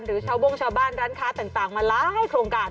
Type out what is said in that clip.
ชาวโบ้งชาวบ้านร้านค้าต่างมาหลายโครงการ